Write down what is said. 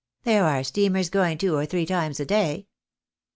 There are steamers going two or three times a day."